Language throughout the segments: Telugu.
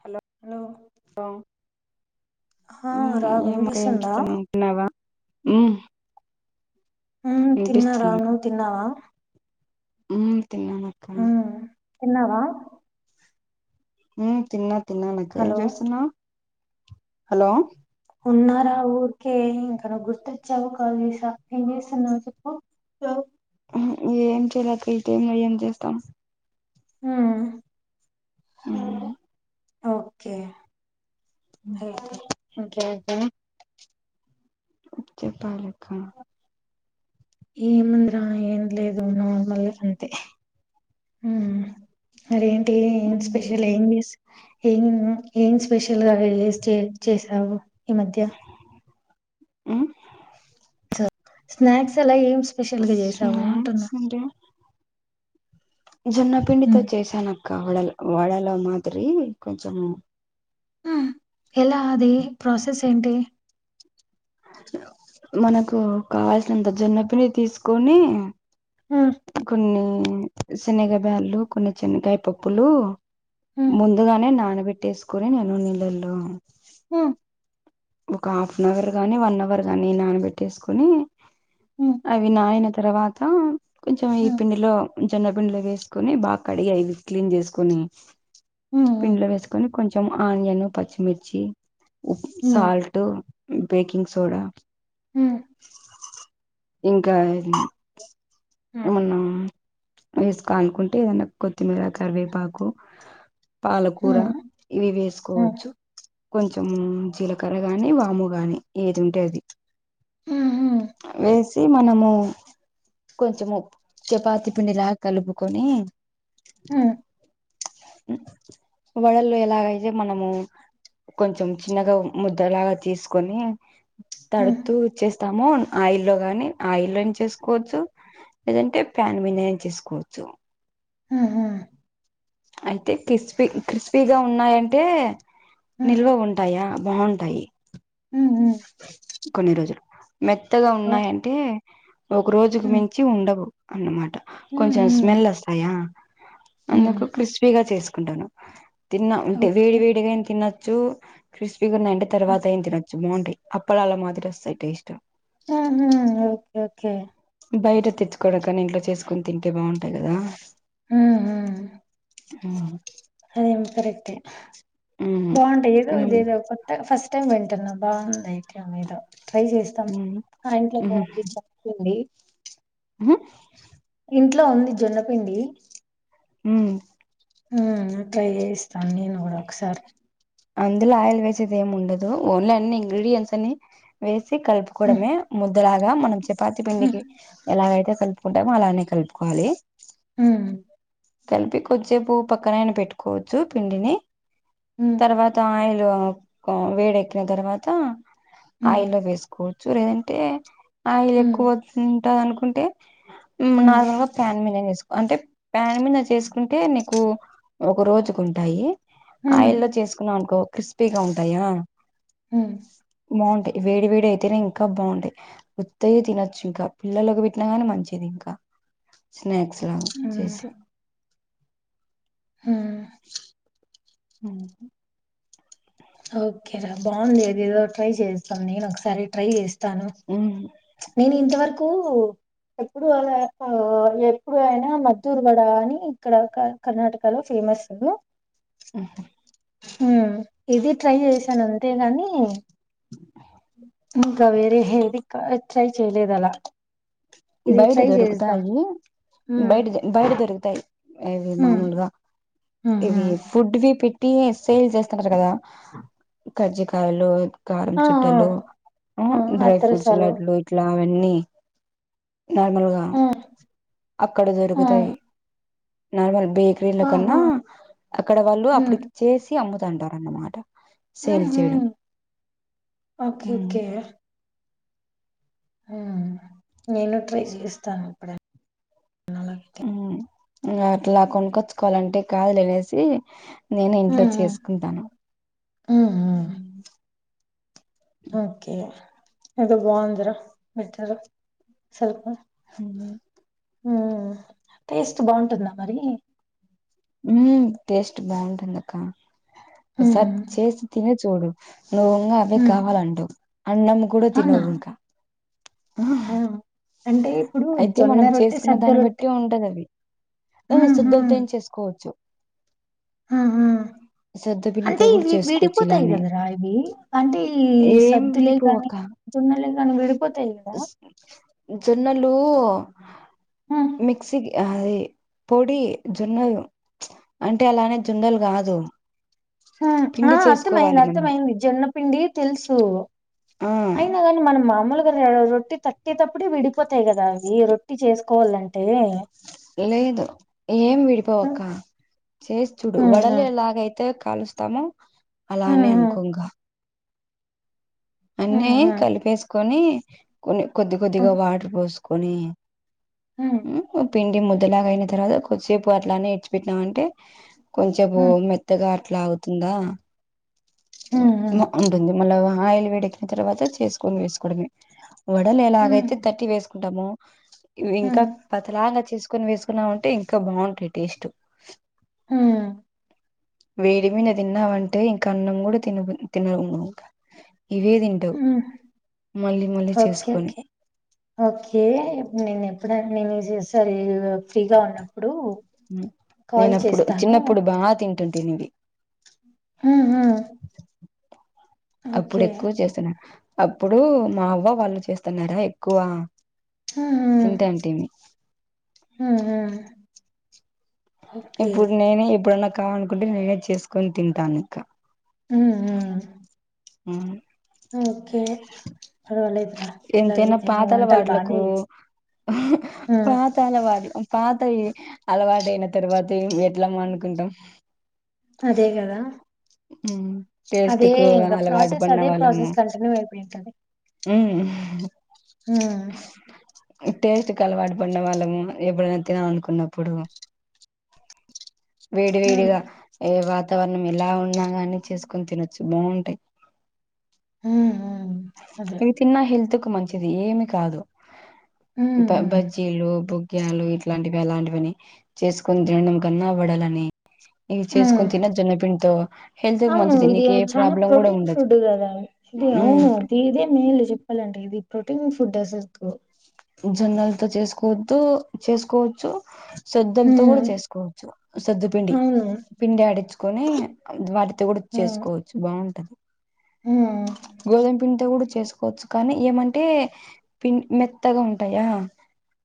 హలో ఆ రా వినిపిస్తుందా ఆమ్ హ తిన్నారను తిన్నావా అ తిన్నమక్క ఎన్నావా ఉ తిన్న తిన్ననకు హలో వసన్నా హలో ఉన్నారా ఊరికే ఇంకా గుర్తుచ్చావు కాదుం చేస్తున్నా చెప్పు ఏం చేయలేక టై ఏం చేస్తాం హ హ ఉమ్ ఓకే హ ఓకే ఓకే చెప్పాలాలక్క ఏమంద్రా ఏం లేదు నార్మల్ అంతే అరేం స్పెషల్ ఉమ్ ఏం చేస్ ఏం ఏం స్పెషల్ గా చేసావు ఈ మధ్య స్నాక్స్ అలా ఏం స్పెషల్గా చేసావు అంటున్నా స్నాక్స్ జొన్నపిిండితో మ్మ్ చేశాను కావడ వాడలో మాది కొంచం ఆ ఎలా అది ప్రాసెస్ ఏంటి మనకు కావాల్సినంత జొన్నపిని తీసుకొని హ్మ్. గుున్ని శనగయ బ్యాలు కొన్ని చినకాయ పప్పులు హ్మ్. ముందుగానే నాన పెట్టేసుకుొని నేను నీళ్ళల్లో హ్మ్. ఒక హాఫ్ అన్ అవర్ గాని వన్ అవర్ గాని నానబెట్టేసుకొని హ్మ్. అవి నాయిన తర్వాత కొంచెం ఈ హ్మ్. పిండిలో జన్నపిిండిలో వేసుకొని బాగా కడిగి అ క్లీన్ చేసుకొని హ్మ్. పిండ్లో వేసుకొని కొంచెం ఆన్యన్ పచ్చిమిిర్చి ఉప్పు హ్మ్. సాల్ట్ బేకింగ్ సోడా హ ఇంకా హ్మ్. ఏమన్నా వేసుకోాలనుకుంటే ఏదన్నా కొత్తిమీర కరివేపాకు పాలకూర హ్మ్. ఇవి హ్మ్. వేసుకోవచ్చు కొంచెం జీలక మక్కర గాని వాము గాని ఏది ఉంటేది హుహు. వేసి మనము కొంచము చపాతి పిండిలా కలుపుకొని ఆ వడల్లో ఎలాగైతే మనము కొంచెం చిన్నగా ముద్దలాగా తీసుకొని హ్మ్. తడుతూ ఇచ్చేస్తాము ఆయిల్లో గాని ఆయిల్లోని చేసుకోవచ్చు లేదంటే ప్యాన్ విని చేసుకోవచ్చు హుహు. అయితే క్రిస్పీ క్రిస్పీగా ఉన్నాయంటే నిల్వ ఉంటాయా బాగుంటాయి హ్మ్మ్ కొన్ని రోజులు మెత్తగా ఉన్నాయంటే ఒక రోజుకు హ్మ్. మించి ఉండవు అన్నమాట కొంచెం స్మెల్ వస్తాయా హాహా ఫ్రీ గా చేసుకుంటాను తిన్న ఉంటే ఓకే. వేడి వేడిగానా తిన్న చు క్రిస్పీగా ఉన్నాయాంటే హ్మ్. తర్వాత ఏం తినొచ్చు బాగుంటాయి అప్పడాల మాదిరి వస్తాయి టేస్ట్ ఆ ఒకే ఒకే బయట తెచ్చుకోవడానీ కంటే ఇంట్లో చేసుకుని తింటే బాగుంటాయి కదా హు ఆ హు కరెక్టే బాగుంటాయి ఏదో మ్మ్ ఇదేదో కొత్త ఫస్ట్ వింటన్నా బాగుందియి ముఖ్య మీద ట్రై చేస్తాం మ్మ్ ఆ ఇంట్లో బాగుంది హ ఇంట్లో ఉంది జొన్నపిండి ఊ ఊ ట్రై చేస్తా నేను కూడా ఒకసారి అందులో ఆయిల్ వేసేది ఏమి ఉండదు ఓన్లీ అన్ని ఇంగ్రీడియంట్స్ అని వే సి ఉమ్ కలుపుకోవడమే ముద్దులాగా మనం చపాతి ఉమ్ పిండికి ఎలాగైతే కలుపుకుంటాం అలానే కలుపుకోవాలి హు కలిపి కొద్దిసేపు పక్కనైనా పెట్టుకోవచ్చు పిండిని ఉమ్ తర్వాత ఆయలు హు వేడెక్కిన తర్వాత అయిలో వేస్కోచూ రే అ ఆయిల్ ఉమ్ ఎక్కువవవుతుంటంది అనుకున్ అంటే ఉమ్ నార్మల్ గా ప్యాన్ మీ అంటే ప్యాన్ మీద చేసుకుంటే నీకు ఒక రోజుకు ఉంటాయి ఉమ్ ఆయిల్ల్లో చేసుకున్నాం అనుకో క్రిస్పీగా ఉంటాయా ఊ బాగుంటయ్ వేడి వేడి అయితేనే ఇంకా బాగుంటయ్, వుత్తయే తినొచ్చు ఇంకా పిల్లలకి పెట్టినా గాని మంచిది ఇంకా, స్నాక్స్ లా చేసే హా [inaudible] ఓకే రా బాగుంది అదేదో ట్రై చేస్తాం నేను ఒకసారి ట్రై చేస్ స్తాను నేను ఇంతవర కు ఎప్పుడు అలా ఎప్పుడు అయినా మద్దూరు మేడవ అని ఇక్కడ కర్ణాటక లో ఫేమస్ ఆహా హ ఇది ట్రై చేశాను అంతేగాని ఇంకా వేరే హెవికా ట్రై చేయలేదలా బయట దొరుకుతాయి, ఉమ్ బయట బయట దొరుకుతాయి ఇవి ఉమ్ మామూలుగా ఉమ్ ఇవి ఉమ్ ఫుడ్వి పి టీ సేల్ చేస్తుంటరు కదా కర్జికాయలు కారం ఆ చుట్టలు, ఆ ఆ డ్రై ఫ్రూట్స్ అత్రసాలు లడ్లు ఇట్లా వన్ని నార్మల్గా, ఆ అక్కడ ఆ దొరుకుతాయి నార్మల్ బేకరీల ఆహా కన్నా అక్కడ వాళ్ళు అప్పటికి చేసి అమ్ముత్ అంటారన్నమాట ఊు ఉ ఉమ్ ఓకేకే ఉమ్ నేను ట్రై చేస్తాను ఇప్పుడే నేనంతే ఉమ్ ఇంగ అట్లా కొనుక్కొచ్చుకోవాలంటే కాదులనేసి నేను ఇంట్లో ఉమ్ చేసుకుంటాను ఉమ్ ఉమ్ అద బాగుందిరా [unintelligible] [unintelligible] అవునా ఉ టేస్ట్ బాగుంటుందా మరి ఉ టేస్ట్ బాగుంటుంది అక్క ఉమ్ సార్ చేసి తినే చూడు నువ్వున్న అవే ఉమ్ కావాలంటవు, అన్నం కూడా అవునా తినవ్ ఇంకా ఆ అంటే ఇప్పుడు అయితే జొన్న మనం రొట్టె చేసుకున్న సద్ద దాన్ని రొట్టె బట్టి ఉంటది అది ఆ శుద్ధతోం చేసుకోవచ్చు ఆ ఆ శుద్ధ పిండితో అంటే కూడా ఇవి చేసుకోవచ్చు విడిపోతాయి ఇలానే కదరా ఇవి, అంటే ఈ ఏం సద్దులే కాని విడిపోవక్క జొన్నలే కా నం విడీపోతాయి కదా జొన్నలు హ్మ్ మిక్సకి అది పొడి జొన్నలు అంటే అలానే జొన్నలు కాదు ఆ పిండి అర్థమయింది చేసుకోవాలి మనము అర్థమైంది జొన్నపిిండి తెలుసు ఆ అయినా కాని మన మామూలు రొట్టి తట్టేటప్పుడుే విడిపోతాయి కదా అవి రొట్టి చేసుకోవాలంటే లేదు ఏం విడిపోవక హ్మ్ చేసి చూడు హ్మ్ వడలేలాగైతే కాలుస్తాము హ్మ్ అలానే హ్మ్ అనుకోంగ అన్నీ హ్మ్ హ్మ్ కలిపేసుకొని కొన్ని కొద్ది కొద్దిగా వాటర్ పోసుకొని హ పిండి ముద్దలాగా అయిన తర్వాత కొద్దిసేపు అట్లానే ఇడ్చి పెట్టాం అంటే కొంచెం భో హ్మ్ మెత్తగా అట్లా అవుతుందా హ్మ్ హ్మ్ ఉంటంది మల ఆయ క్కిన తర్వాత చేసుకొని వేసుకోడమ వడల్ ఎలా హ్మ్ ఆగైతే తట్టీ వేసు ంటము ఇంకా హ్మ్ పతలాగా వచ్చే సుకొని వేసుకున్నామంటే ఇంకా బాగుంటాయి టేస్ట్ ఆ వేడిమన తిన్నా వంట ఇంక అన్నం కూడా కూడా తి తిిన మళ్ళీ చేసుకొని ఓకేకే ఓకే నేను ఎప్పుడను సరే ఫ్రీగా ఉన్నాం నేనప్పుడు చిన్నప్పుడు బా తింటా ంటవి ఆ అప్పుడు ఎక్కువ చేస్తున్నారు అప్పుడు మా అవ్వ వాళ్ళు చేస్తున్నారా ఎక్కువ హ్మ్ హ్మ్ తింటాంటిేమి హ్మ్ హ్మ్ ఓకే ఇప్పుడు నేను ఇప్పుడున్న కావనుకుంటే నేనే చేసుకొని తింటాను ఇంక ఆ హ ఓకే పర్వాలేదురా ఎంతైనా ఇలాగైతే నువ్వు పాతాల వంటలు బానే వాడలకు చేస్ హ్మ్ పాతాల వాడల పాత అలవాటు అయిైన తరువాత అదే కదా ఉ అదే ఇం పసెస్ అదే పసెస్ కంటిన్యూ అయిపోంటది ఉ ఆ టేస్ట్ క అలవాటు పడ్న వాళ్ళము ఎప్పుడైనా తినాల అనుకున్నప్పుడు వేడి హ్మ్ వేడిగా ఏ వాతావరణం ఎలా ఉన్నా ఇవన్నీ చేసుకొని తినొచ్చు బాగుంటాయి హ్మ్ హ్మ్ అదే ఇవి తన్నా హెల్తు మంచిది ఏమి కాదు హ్మ్ బ హ్మ్ బజ్జీలు బు యాలు ఇలాంటివి అలాంటివని చేసుకొని తినడం కన్నా పడాల అని ఆ హెల్త్ కు అవును మంచిది ఇది నీకు ఏ చాలా ప్రాబ్లం కూడా ప్రోటీన్ ఉండదు ఫుడ్ కదా ఇది ఉమ్ అవును ఇ ఇదే మేల్లు చెప్పాలంటే ఇది ప్రోటీన్ ఫుడ్ అసలు కు జొన్నలుతో చేసుకోవద్దు చేసుకోవచ్చు సొద్దులతో కూడా హ్మ్ చేసుకోవచ్చు సొద్దు పిండి అవును పిండి ఆడించుకొని వాటితో కూడా హ్మ్ చేసుకోవచ్చు బాగుంటది హ్మ్ గోధుమ పిండితో కూడా చేసా తెసుకోవచ్చు కానీ ఏమంటే పి మె కొత్తగా ఉంటాయా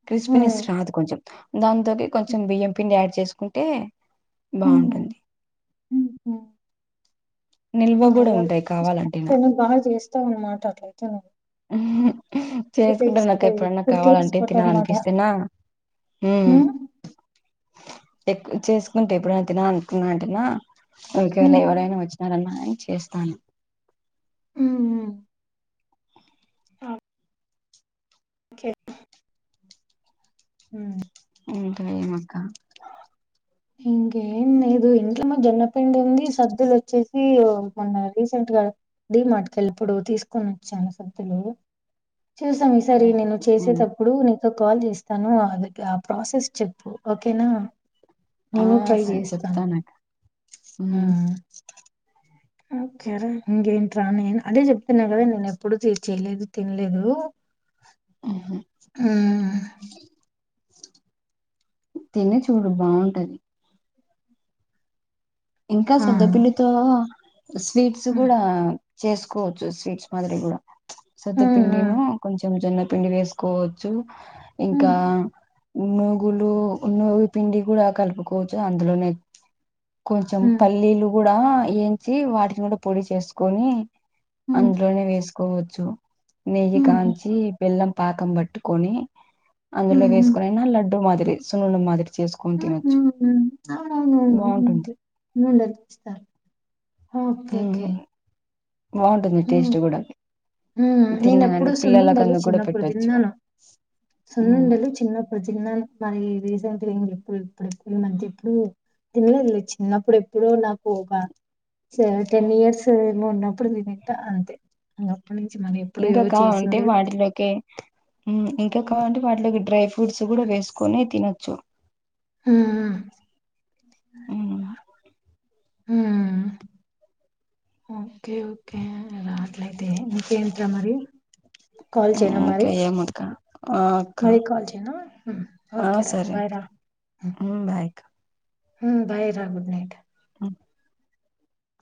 క్రిస్పీనెస్ హ్మ్. రాదు కొంచెం దా అ కొంచె బిఎంపీ నిడ్ చేసుకుంటే హ్మ్. బాగుంటుంది నిల్వ కూడా మలా ఉంటాయి కావాలంటేనా బాగా చేస్తావు అన్నమాట అట్లయితే నేు హ్మ్ చేసుకుంటారు నాకు ఎప్పుడన్నా కుక్ కావాలంటే ఎక్స్‌పర్ట్ తినాల అనమాట. అనిపిస్తేనా హ్మ్. ఎక్కు చేసుకుంటే ఎప్పుడు తిన అనుకున్నా అంటనా ఇకలా హ్మ్. ఎవరైనా వచ్చినారన్న అని చేస్తాను హ్మ్ హ్మ్ అ అ ఓకే హ్మ్ ఉంటవమక్క ఇంకేం లేదు ఇంట్లో మా జొన్నపిండి ఉంది సద్దులు వచ్చేసి మొన్న రీసెంట్ గా డీ-మార్ట్ మట్కెళ్ళప్పుడు తీసుకొని వచ్చాను సద్దులు చూసాం ఈసారి నేను ఉమ్ చేసేటప్పుడు న సో కాల్ చేస్తాను అది ఆ ప్రాసెస్ చెప్పు ఓకే కనా ఆ నేను ట్రై సరే చేస్తాను చెప్తానక్క ఆ ఉమ్ ఓకేరే ఇంకేంట్రా నను అదే చెప్తున్నా కదా నేను ఎప్పుడుూ చేయలేదు తినలేదు ఆ తినే చూడు బాగుంటది ఇంకా ఆ! సొద్దపిల్లితో స్వీట్స్ హ్మ్. కూడా చేసుకోవచ్చు స్వీట్స్ మాదిరి కూడా హ్మ్. హ్మ్. సతపిండిను కొంచం జన్న పిండి వేసుకోవచ్చు ఇంకా హ్మ్. నువ్గులు నువ్ పిండి కూడా కలుపుకోవచ్చు అందులోనే కొంచెం హ్మ్. పల్లీలు కూడా వంచి వాటిని కూడా పొడి చేసుకొని హ్మ్. అందులోనే వేస్ కోవచ్చు న హ్మ్. కాంచిి బెల్లం పాకం పట్టుకని అందులో హ్మ్. వేసుకుని నా లడ్డ మాదిరి సున్నాన్న మాదిరి చేసుకొని తినొచ్చు హ్మ్. బాగుంటుంది ముూండపిస్తారు ఓకే ఉమ్ ఓకే బాగుంటుంది టేస్ట్ కూడా నేను తిన్నగానే ఎప్పుడు పిల్లలకు సున్నండలు అందుకు కూడా చిన్నప్పుడు పెట్టొచ్చు తిన్నాను ఉమ్ సున్నండలు చిన్నప్పుడు తిన్నాను మరి రీసెంట్ ఇ ఎ ఇప్పుడుల్ మంత్ ఎప్పుడుూ తినలేదు చిన్నప్పుడు ఎప్పుడు నాకు ఒక టెన్ ఇయర్స్ ఏమో ఉన్నప్పుడు తింట అంతే అప్పటి నుంచి మళ్ళీ ఎప్పుడు ఇకాకా ఉంటే చేసిండ్లేదు వాటిలోకే ఇంకా కావంటే వాటిలోకి డ్రై ఫ్రూట్స్ కూడా వేసుకుొని తినొచ్చు ఆ ఉమ్ హ ఆ ఓకే ఓకే రా అట్లయితే ఇంకేంట్రా మరి కాల్ ఉమ్ చేయనాం మరి ఇంకా ఏమక్క ఆ అక్క మరి కాల్ చేయనా ఆ ఓకేరా సరే బాయ్ అక్క రా ఉమ్ బాయ్ అక్క బయ రా గుడ్ నైట్ అ